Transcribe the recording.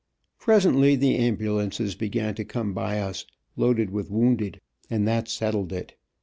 Presently the ambulances began to come by us, loaded with wounded, and that settled it.